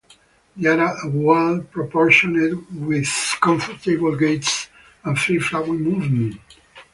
They are well-proportioned with comfortable gaits and free-flowing movement.